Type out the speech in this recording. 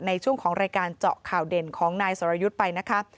ในช่วงของรายการเจาะข่าวเด่นของนายสรยุทธ์ไปนะคะ